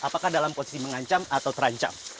apakah dalam posisi mengancam atau terancam